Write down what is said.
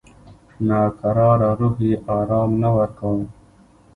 ناکراره روح یې آرام نه ورکاوه.